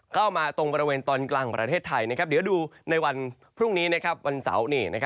เข้ามาตรงบริเวณตอนกลางของประเทศไทยเดี๋ยวดูในวันพรุ่งนี้วันเสาร์